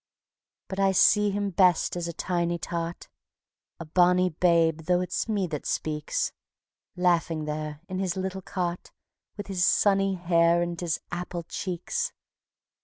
But I see him best as a tiny tot, A bonny babe, though it's me that speaks; Laughing there in his little cot, With his sunny hair and his apple cheeks.